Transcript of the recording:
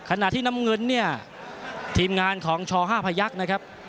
ขณะที่น้ำเงินเนี่ยทีมงานของช๕พยักษ์นะครับ